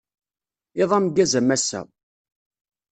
Iḍ ameggaz a massa.